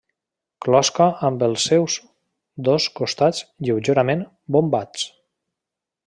Closca amb els seus dos costats lleugerament bombats.